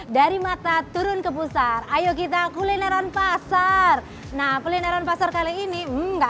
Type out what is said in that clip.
dari mata turun ke pusar ayo kita kulineran pasar nah kulineran pasar kali ini enggak